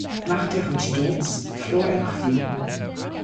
Nach deren Sturz floh er nach Wien.